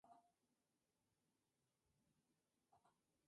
Se encuentra en los bosques tropicales húmedos de África occidental y central.